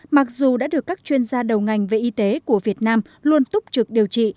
mặc dù đã được các chuyên gia đầu ngành về y tế của việt nam luôn túc trực điều trị